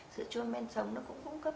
sữa chua men sống nó cũng cung cấp